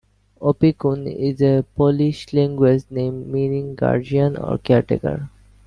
Opiekun is a Polish language name meaning "guardian" or "caretaker".